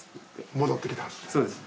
戻ってきたんですね。